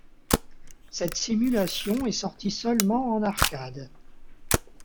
Cette simulation est sortie seulement en arcade.